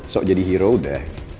sok jadi hero udah